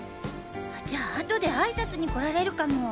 じゃあ後で挨拶に来られるかも。